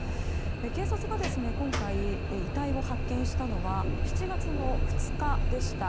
警察が今回、遺体を発見したのは７月２日でした。